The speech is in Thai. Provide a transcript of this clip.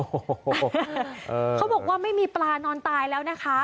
โอ้โหเขาบอกว่าไม่มีปลานอนตายแล้วนะคะ